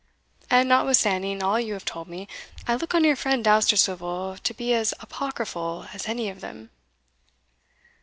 And notwithstanding all you have told me, I look on your friend Dousterswivel to be as apocryphal as any of them."